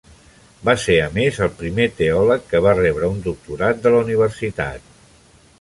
Va ser, a més, el primer teòleg que va rebre un doctorat de la universitat.